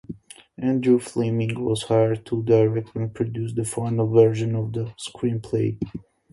Andrew Fleming was hired to direct and produce the final version of the screenplay.